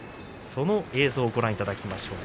その映像をご覧いただきましょう。